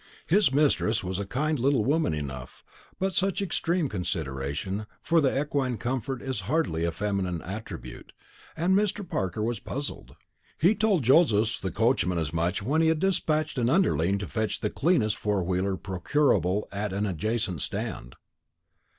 His mistress was a kind little woman enough, but such extreme consideration for equine comfort is hardly a feminine attribute, and Mr. Parker was puzzled. He told Josephs the coachman as much when he had dispatched an underling to fetch the cleanest four wheeler procurable at an adjacent stand.